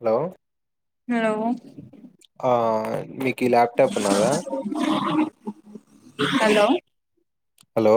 Hello! Hello ఆ నీకీ laptop ఉన్నాదా హలో! హలో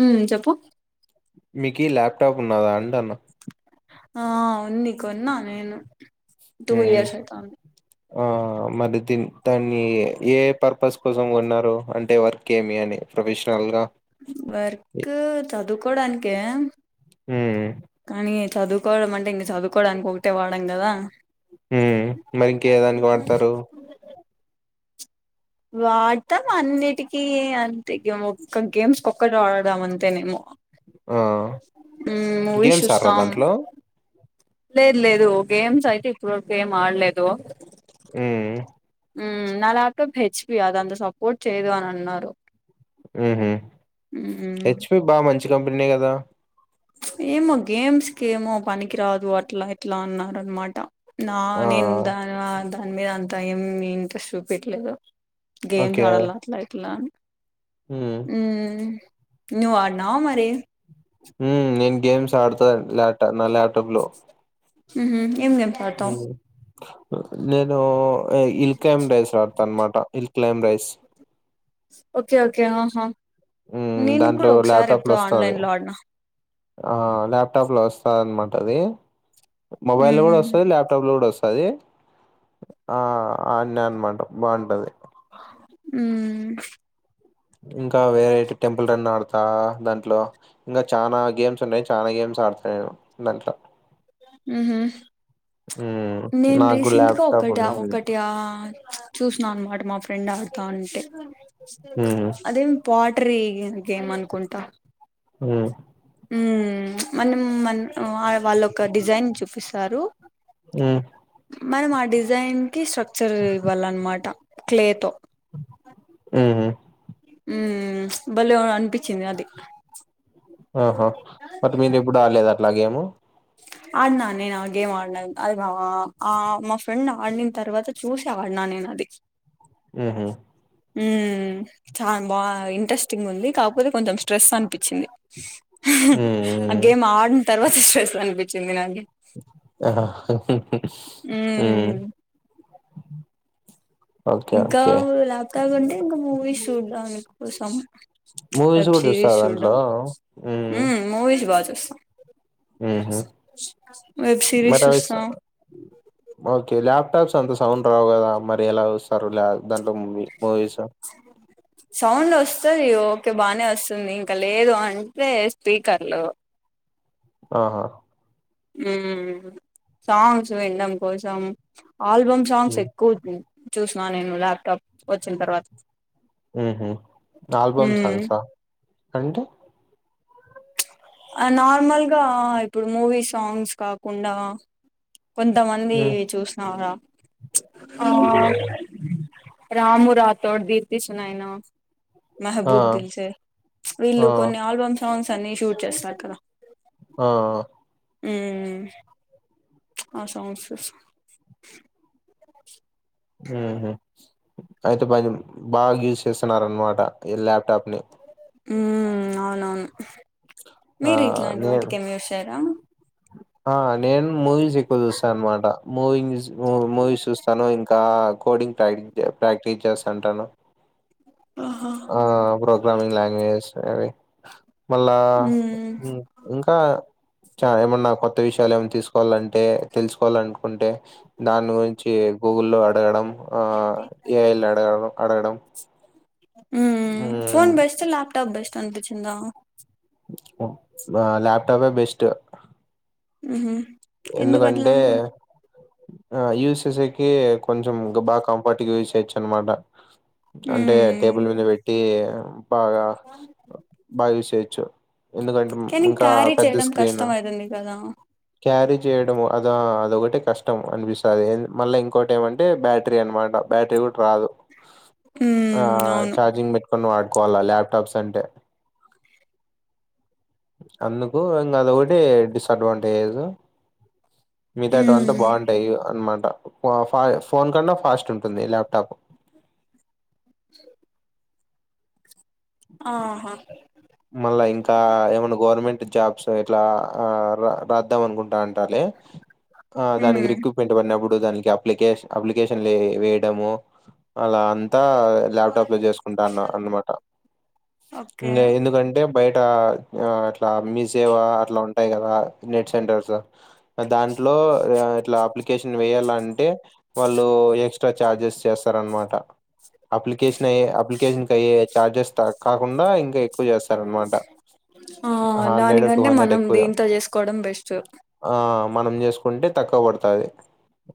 ఉ చెప్పు మీక్ ఈ లాప్టాప్ ఉన్నాదా అంటన్న ఆ ఉంది కొన్నా నేను టూ ఉహు ఇయర్స్ ఐతంది ఆ మరి దీన్ని దాన్ని ఏ పర్పస్ కోసం కొన్నారు అంటే వర్క్ ఏమి అని ప్రొఫెషనల్గా వర్క్ చదుకోడానికే హ్మ్ చదువుకోవడం అంటే ఇంక చదువుకోవడానికి ఒకటే వాడం గదా హ్మ్ మరింకేదానిక్ వాడ్తారు? వాడ్తం అన్నిటికీ అంతే ఎమో ఒక్క గేమ్స్ ఒక్కల్ వాడం అంతేనేమో ఆ మ్ మూవీస్ గేమ్స్ ఆడరా చూస్తాం. దాంట్లో లేద్ లేదు గేమ్స్ అయితే ఇప్పట్ వరకు ఏం ఆడ్లేదు. మ్ మ్ నా లాప్టాప్ తెచ్చింది అదంత సపోర్ట్ చేయదు అన్ అన్నారు. మ్ బిహ్ ఉమ్ హెచ్. పి బాగా మంచి కంపెనీ కదా ఏమో గేమ్స్కేమో పనికి రాదు అట్లా ఎట్లా అన్నారు అన్నారన్మాట. నా ఆ నేన్ దాన దాన్ మీద అంతా ఏం ఇంట్రెస్ట్ చూపిట్లేదు. ఓకే గేమ్స్ ఆడాల అట్లా ఇట్లా అన్ ఉమ్ మ్ నువ్ ఆడ్నావ మరీ మ్ నేన్ గేమ్స్ ఆడతా ల్యాట నా లాప్టాప్లో మ్ హ్ ఏం గేమ్స్ ఆడ్తవ్ నేను ఇల్ క్లైమ్బ్ రైస్ ఆడ్తా అన్మాట ఇల్ క్లైబ్ రైస్ ఓకే ఓకే ఆహా ఉమ్, నేను దాంట్లో కూడా ఒక్సార్ ల్యాప్టాప్ లో ఎప్పుడో వస్తది ఆన్లైన్లో ఆడినా ఆ లాప్టాప్లో వస్తాదన్మాట అది మొబైల్ కూడా మ్మ్ వస్తది లాప్టాప్లో కూడా వస్ స్తది ఆ ఆన్నే అన్మాట బాగుంటది. మ్ ఇంకా వేరేటి టెంపుల్ రన్ ఆడ్ తా దాంట్లో ఇంకా చానా గేమ్స్ ఉన్నయి చానా గేమ్స్ ఆడ్త నేను దాంట్లో మ్ హ్ మ్మ్ నేన్ నాకు రీసెంట్గ ల్యాప్టాప్ ఒకట ఉంది మ్మ్ ఒకటి ఆ చూసిన అన్మాట మా ఫ్రెండ్ ఆడు తాంటే అదేం పాటరీ గేమ్ అన్కుంటా ఆ మ్ మనం మన్ వా వాళ్ళొక డిజైన్ చూపిస్తారు. మ్ మనం ఆ డిజైన్కి స్ట్రక్చర్ ఇవ్వాలన్మాట క్లేతో మ్ హ్ మ్ బలే అన్పిచ్చింది అది ఆహా బట్ మీరెప్పుడు ఆడ్లేదా అట్ల గేము. ఆడ్న నేనా గేమ్ ఆడినాను అది బా ఆ మా ఫ్రెండ్ ఆడిన్ తర్వాత చూసి ఆడ్ నా నేన్ అది మ్ హ్ మ్ చాలా బా ఇంట్రెస్టింగుంది కాక్పోతే కొంచెం స్ట్రెస్ అన్పిచ్చింది. ఆ మ్మ్ గేమ్ ఆడిన్ తర్వాత స్ట్రెస్ అన్పిచ్చింది నాకి మ్మ్ మ్ ఇంకా లాప్టాప్ అంటే ఇంకా మూవీస్ చూదాం కోసం మూవీస్ వెబ్ గూడా జూస్తారా సిరిస్ దాంట్లో? చూడ్డం ఉ మూవీస్ బా చు ఉహ్ వెబ్ సిరీస్ మాట చూస్తాం ఓకే లాప్టాప్స్ అంత సౌండ్ రావు కదా మరి ఎలా చూస్తారు దాంట్లో మువీ మూవీస సౌండ్ వస్తది ఓకే బానే వస్తుంది ఇంకా లేదు అంటే స్పీకర్లు ఆహా! మ్ సాంగ్స్ విన్డం కోసం ఆల్బమ్ సాంగ్స్ హ్మ్. ఎక్కు చూసిన నేను ల్యాప్టాప్ వచ్చిన తర్వాత మ్ హ్ ఆల్బమ్ మ్మ్ సాంగ్సా అంటే? అ నార్మల్గా ఇప్పుడు మూవీ సాంగ్స్ కాకుండా కొంతమంది హ్మ్. చూసినవరా ప్చ్ ఆ రాము రాతోడ్, దీప్తి సునైనా ఆ! మెహబూబ్ దిల్సే ప్చ్ ఆ! వీళ్ళు కొన్ని ఆల్బమ్ సాంగ్స్ అన్ని షూట్ చేస్తారు కదా ఆఅ ఉమ్ ప్చ్ ఆ సాంగ్స్స్ ఉహు అయితే బాగిన్ బాగా యూజ్ చేస్తున్నార అనమాట ఈ ల్యాప్టాప్ ని ఉ అవునవును ఆ! మీరు ఇట్లాంటి నేను వాటికి ఏమి చెసరా? ఆ నేను మూవీస్ ఎక్కువ చూస్తా అనమాట మూవీ చూసి మూ మూవీ చూస్తాను ఇంకా కోడింగ్ ప్రాక్టి ప్రాక్టీస్ చేస్తాంటాను. ఆహా ఆ ప్రోగ్రామంగ్ లాంగ్యాజెస్ అవి మళ్ళా ఉమ్ మ్ ఇంకా చ ఏమన్నా కొత్త విషయాలు ఏమ తీసుకోవాలంటే, తెలుసుకోవాలనుకుంటే దాని గురించి గూగుల్లో అడగడం, ఆ ఏఐల అడగడం అడగడం మ్ పోన్ బెస్ట, ల్యాప్టాప్ బెస్ట అనిపిచ్చిందా? ఓ బా ల్యాప్టాపే బెస్ట్ ఉహు ఎందుకు అట్లా ఎందుకంటే అనుకుంట అ యూస్సె కి కొంచెం బాగా కంఫర్ట్ గా యుసెయొచ్చు అనమాట. అంటే ఉమ్ టేబుల్ మీద పెట్టి బాగా బాగా యూస్ చె ఎందుకంటే ము కానీ ఇంకా క్యారీ పెద్ద చేయడం స్క్రీన్ కష్టం అయితుంది కదా క్యారీ చేయడం అదా అదొకటె కష్టం అనిపిస్తది. మళ్ళా ఇంకోటి ఏమంటే బ్యాటరీ అనమాట. బ్యాటరి కూడా రాదు. ఆ ఉమ్ అ అవును ఛార్జింగ్ పెట్టుకొని వాడుకోవాల ల్యాప్టాప్స్ అంటే అందుకు ఇంకా అది ఒకటి డిసడ్వాంటేజ్ మిగతాంట అంతా ఉమ్ బావుంటాయి అనమాట ఫ ఫై ఫోన్ కన్నా ఫాస్ట్ ఉంటుంది ల్యాప్టాప్ ఆహా మళ్ళా ఇంకా అ ఏమైనా గవర్నమెంట్ జాబ్స్ ఇట్లా అ ర రాద్దాం అనుకుంటా అ డార్లే ఆ దానికి ఉమ్ రికూట్మెంట్ పడినప్ దానికి అప్లికేషన్ అప్లికేషన్ లు వేయడం అలా టా లేప్టాప్ ల చేసుకంటన్న అనమాట. ఉ ఓకే ఎంధుక్ బయట అ అట్లా మిసేవా అట్లా ఉంటాయి కదా నెట్ సెంటర్స్ దాంట్లో అ ఇట్లా అప్లికేషన్ వేయాలంటే వాళ్ళు ఎక్స్ ఎక్స్ట్రా ఛార్జెస్ చేస్తార అనమాట. అప్లికేషన్ అయ్యే అప్లికేషన్ క అయ్యే ఛార్జెస్ త కాకుండా ఇంకా ఎక్కువ చేస్తార అనమాట. ఆ హండ్రెడ్, టూ దానికంటే హండ్రెడ్ మనం ఎక్కువ దీంతో చేసుకోవడం బెస్ట్ ఆ మనం చేసుకుంటే తక్కువ పడతాది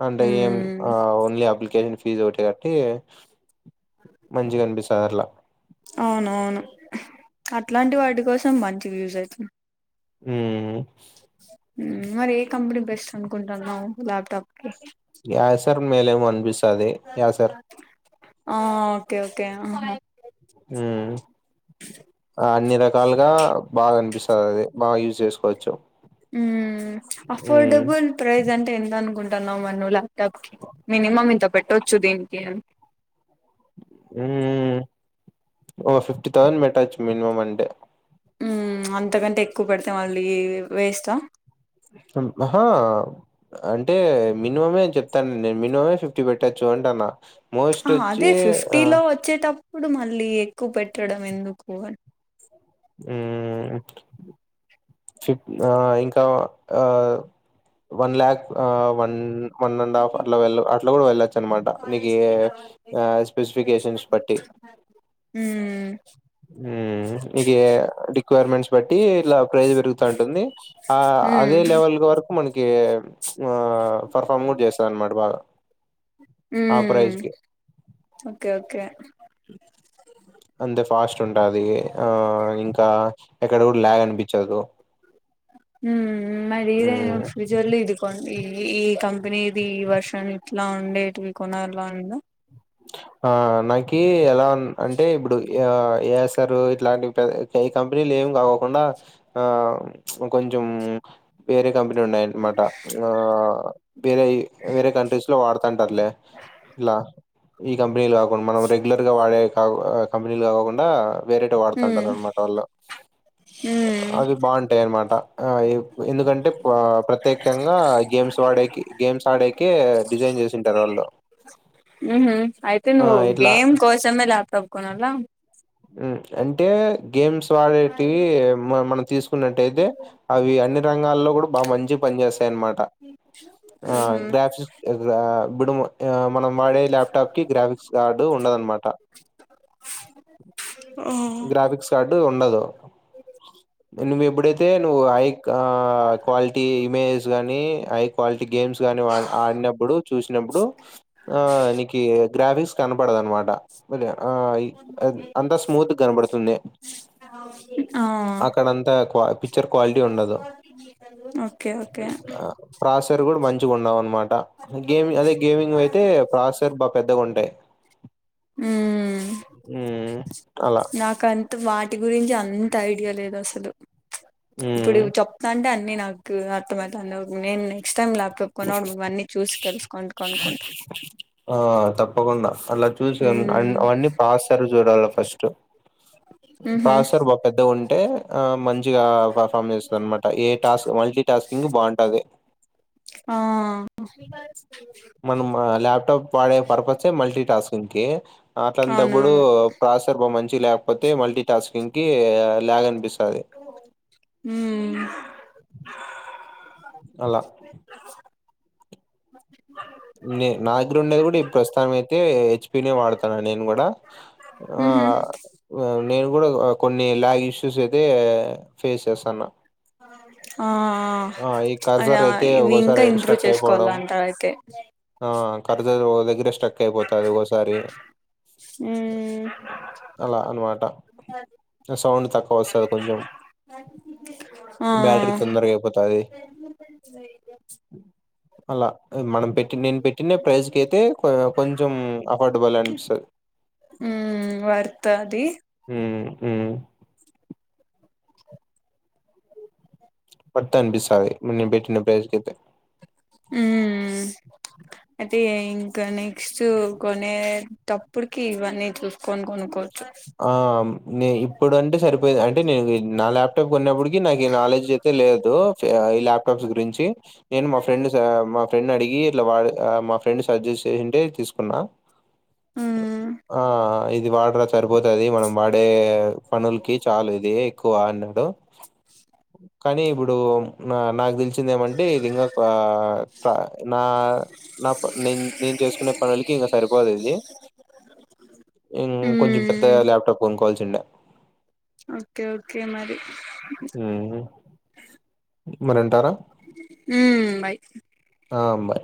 అంటే ఎం ఉమ్ ఓన్లీ అప్లికేషన్ ఫీజు ఒకటి కట్టి మంచిగా అనిపిస్తది అట్లా అవునవును అట్లాంటి వాటి కోసం మంచిగా యూస్ అవుతుంది ఉ ఉ మరి ఏ కంపెనీ బెస్ట్ అనుకుంటున్నావ్ ల్యాప్టాప్ కి యా సార్ మేలేమో అనిపిస్తది యా సార్ ఆ ఓకే ఓకే అహ ఉమ్ అన్ని రకాలుగా బాగా అనిపిస్ స్తది బాగా యూస్ చేసుకోవచ్చు ఉ ఉమ్ అఫోర్డబుల్ ప్రైజ్ అంటే ఎంత అనుకుంటున్నావు మరి నువు త మినిమం ఇంత పెట్టొచ్చు దీనికి అన్ ఉ ఓ ఫిఫ్టీ తౌసండ్ పెట్టచ్చు మినిమం అంటె ఉ అంతకంటే ఎక్కువ పెడితే మళ్ళీ వేస్టా ఆహా అంటే మినిమమేని చెప్తాన్ నేను మినిమమే ఫిఫ్టీ పెట్టచ్చు అంటన్న ఆ అదే ఫిఫ్టీ లో వచ్చేటప్ ఇప్పుడు మళ్ళీ ఎక్కువ పెట్టడం ఎందుకు అ ఉ చెప్ ఆ ఇంకా ఆ వన్ ల్యాక్ ఆ వన్ వన్ అండ్ హాఫ్ అట్లా వె అట్లా కూడా వెళ్ళొచ్చు అనమాట నీకు ఎ స్పైస్ స్పెసిఫికేషన్స్ పట్టి ఉ ఉ ఉ నికి రిక్వైర్మెంట్స్ బట్టి ఇలా ప్రైజ్ పెరుగుతా ఉంటుంది ఆ ఉమ్ అదే లెవెల్ వర్ మనకి ఆ పర్ఫామ్ కూడా చేస్తారు అనమాట బాగా ఉ ఆ ప్రైజ్ కి ఓకే ఓకే అంతే ఫాస్ట్ ఉంటది ఆ ఇంకా ఎక్కడ కూడా లాగ్ అనిపించదు ఉ మరి ఇదే మ్మ్. ఫ్యూచర్ల ఇది కోన్ ఈ ఈ కంపెనీ ఇది ఈ వర్షన్ ఇట్లా ఉండేటివి కొనాలని ఉందా ఆ నాకి ఎలా అం అంటే ఇప్పుడు ఏ ఎస్ఆర్ ఇట్లాంటి పే కం రిల్ ఎం కాకోకుండా ఆ కొంచెం వేరే కంపెనీ ఉన్నాయినమాట ఆ వేరే వేరే కంట్రీస్ లో వాడుతాంటారులే ఇలా ఈ కంపెనీలు కాకుండా మనం రెగ్యులర్ గా వాడే క-కంపెనీలు కాకోకుండా వేరేటివి ఉమ్ వాడుతుంటారు అనమాట వాళ్ళు ఉమ్ అవి బాగుంటాయి అనమాట ఆ ఈ ఎందుకంటే ప్రత్యేకంగా గేమ్స్ ఆడేకి గేమ్స్ ఆడేకె డిజైన్ చేసింటారు వాళ్ళు ఉ హు అయితే ఆ నువ్వు ఇట్లా గేమ్ కోసంమే లాప్టాప్ కోనలా ఉ అంటే గేమ్స్ వాడేటివి మ-మనం తీసుకున్నట్టయితే అవి అన్ని రంగాల్లో కూడా బా మంచి పని చేస్తాయనమాట ఆ ఉహు గ్రాఫిస్ ఆ బిడుము ఆ మనం వాడే లాప్టాప్ కి గ్రాఫిక్స్ కార్డు ఉండదనమాట ఆ డు ఉండదు నువ్వు ఎప్పుడైతే నువ్వు హై క్వాలిటీ ఇమేజెస్ గానీ హై క్వాలిటీ గేమ్స్ గాని ఆడినప్పుడు చూసినప్పుడు ఆ నికి గ్రాఫిక్స్ కనపడదనమాట స్మూత్గా కనబడుతుంది ఆ అక్కడంతా పిచ్చర్ క్వాలిటీ ఉండదు ఓకే ఓకే ఆ కాసర్ కూడా మం మంచిగుండవనాట గేమింగ్ అదే గేమింగ్ అయితే పాస్వర్ బాగా పెద్దగా ఉంటాయి ఉ నాకంటూ వాటి గురించి అంత ఐడియా లేదు అసలు. ఉమ్ ఇప్పుడు చెప్తా అంటే అన్నీ నాకు అర్థమైతనై నేనె తెలుసుకొని కొనుక్కుంటా ఆ తప్పకుండా అలా చూస మ్మ్ అవన్నీ పాస్తరు చూడాల ఫస్ట్ ఊహూ పాసర్ బా పెద్ద ఉంటే ఆ మం మంచిగా పర్ఫామ్ చేస్తుంది అనమాట ఏ టాస్క్ మల్టీ టాస్కింగ్ బాగుంటది ఆ మనం లాప్టాప్ వాడే పర్పస్ మల్టీ టాస్కింగ్ కి అట్లాంటప్పుడు అవునవును అసర్ బా మంచి లేకపోతే మల్టీ టాస్కింగ్ కి లాగ్ అనిపిస్ ఉమ్ అలా నే నా దగ్గర ఉండేది కూడా ప్రస్తుతనం అయితే హెచ్పినే వాడుతాన నేను కూడా ఆ ఊహూ నేను కూడా కొన్ని లాగ్ ఇష్యూస్ అయితే ఫేస్ చేస్తున్న. ఆ ఈ కర్జర్ అలా అయితే ఇవి ఒక్కోసారి ఇంకా ఇంప్రూవ్ స్టక్ చేసుకోవాల అయిపోవడం అంట అయితే ఆ ఖర్జర్ ఒ దగ్గరే స్ట్రక్ అయిపోతది ఒకోసారి మ్మ్ అలా అనమాట సౌండ్ తక్కువ వస్తది కొంచెం ఆ బ్యాటరీ తొందరగా అయిపోతాది. అలా మనం పెట్టి నేను పెట్టిన ప్రైస్ క అయితే కొంచెం అఫోర్డబుల్ అనిపిస్తది. ఉ వర్త్ అది ఉ ఉ వర్త్ అనిపిస్తాది నేన్ బెట్టిన ప్రైస్క్ ఐతే ఉ ఉమ్ అయితే ఇంక నెక్స్ట్ కొనేటప్పడుకి ఇవన్నీ చూసుకోని కొనుక్కో ఆ నే ఇప్పుడు అంటే సరిపోయిది అంటే నేను నా లాప్టాప్ కొన్నప్పుడు నాకి ఈ నాలెడ్జ్ అయితే లేదు. ఈ ల్యాప్టాప్స్ గురించి నేను మా ఫ్రెండ్స్ మా ఫ్రెండ్ అడిగి ఇట్లా వా మా ఫ్రెండ్ సజెస్ట్ చేసింటే తీసుకున్నా. మ్మ్ ఆ ఇది వాడ్ పోతది మనం వాడే పనులుకి చాలు ఇది ఎక్కువ అన్నాడు. కానీ ఇప్పుడు నా నాకు తెలిసి చ్చింది ఏమంటే ఇది ఇంకా ఆ ఫ నా నాప్ నేన్ నేన్ చేసుకునే పనులకి ఈగ సరిపోదు ఇది ఇం కొంచెం పెద్దగ మ్మ్ ల్యాప్టాప్ కొనుక్కోవాల్సిండే ఓకే ఓకే మరి మనంటారా ఉమ్ బాయ్ ఆ బాయ్